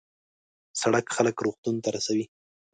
سړک خلک روغتون ته رسوي.